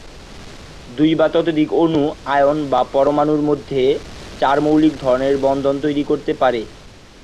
দুই বা ততোধিক অণু, আয়ন বা পরমাণুর মধ্যে চার মৌলিক ধরণের বন্ধন তৈরি করতে পারে।